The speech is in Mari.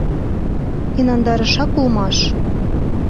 Инандарышак улмаш: